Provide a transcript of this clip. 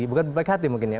bukan berbaik hati mungkin ya